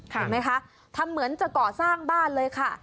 เห็นไหมคะทำเหมือนจะก่อสร้างบ้านเลยค่ะ